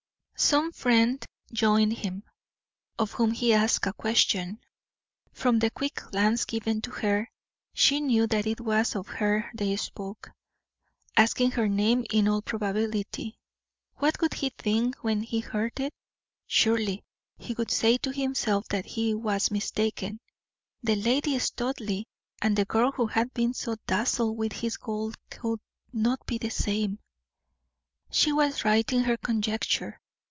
Some friend joined him, of whom he asked a question. From the quick glance given to her, she knew that it was of her they spoke asking her name in all probability. What would he think when he heard it? Surely, he would say to himself that he was mistaken; the Lady Studleigh and the girl who had been so dazzled with his gold could not be the same. She was right in her conjecture.